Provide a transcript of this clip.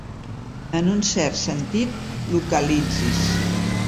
En un cert sentit, localitzis.